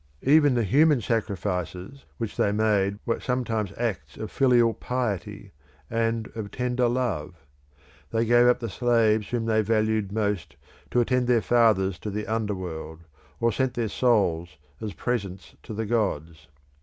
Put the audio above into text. Even the human sacrifices which they made were sometimes acts of filial piety and of tender love. They gave up the slaves whom they valued most to attend their fathers in the under world; or sent their souls as presents to the gods.